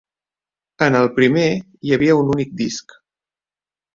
En el primer hi havia un únic disc.